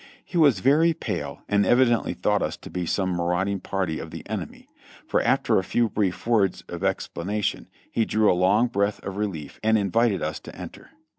He was very pale and evidently thought us to be some marauding party of the enemy, for after a few brief words of explanation he drew a long breath of relief and invited us to enter.